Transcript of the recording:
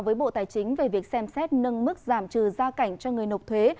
với bộ tài chính về việc xem xét nâng mức giảm trừ gia cảnh cho người nộp thuế